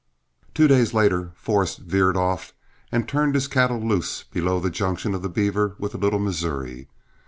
Two days later Forrest veered off and turned his cattle loose below the junction of the Beaver with the Little Missouri.